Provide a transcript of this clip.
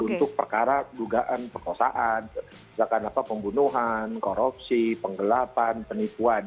untuk perkara dugaan perkosaan misalkan pembunuhan korupsi penggelapan penipuan